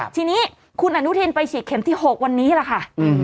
ทีนี้คุณอนุทินไปฉีดเข็มที่๖วันนี้แหละค่ะ